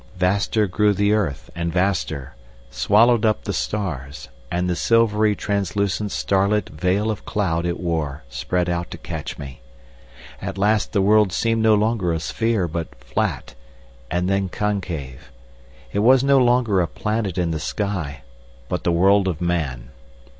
Vaster grew the earth and vaster, swallowing up the stars, and the silvery translucent starlit veil of cloud it wore spread out to catch me. At last the world seemed no longer a sphere but flat, and then concave. It was no longer a planet in the sky, but the world of Man.